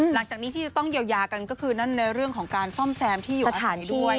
หลังจากนี้ที่จะต้องเยียวยากันก็คือนั่นในเรื่องของการซ่อมแซมที่อยู่แบบนี้ด้วย